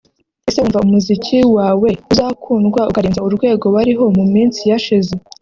Ese wumva umuziki wawe uzakundwa ukarenza urwego wariho mu minsi yashize